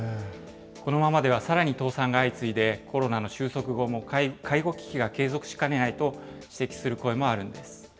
このままではさらに倒産が相次いで、コロナの収束後も介護危機が継続しかねないと指摘する声もあるんです。